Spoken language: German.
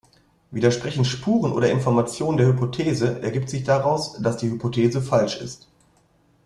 Widersprechen Spuren oder Informationen der Hypothese, ergibt sich daraus, dass die Hypothese falsch ist.